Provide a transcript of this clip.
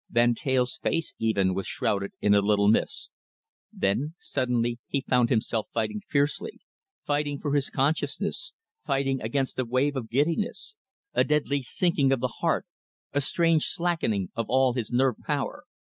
Van Teyl's face, even, was shrouded in a little mist. Then he suddenly found himself fighting fiercely, fighting for his consciousness, fighting against a wave of giddiness, a deadly sinking of the heart, a strange slackening of all his nerve power.